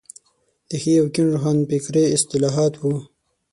د ښي او کيڼ روښانفکري اصطلاحات وو.